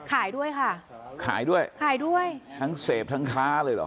ขายด้วยค่ะขายด้วยขายด้วยทั้งเสพทั้งค้าเลยเหรอ